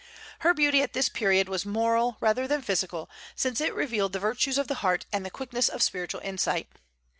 Her beauty at this period was moral rather than physical, since it revealed the virtues of the heart and the quickness of spiritual insight.